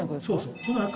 そうそう。